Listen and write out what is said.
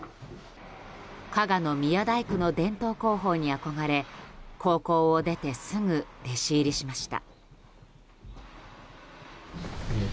加賀の宮大工の伝統工法に憧れ高校を出てすぐ弟子入りしました。